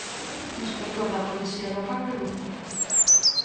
Inspector da Policía Local de Lugo.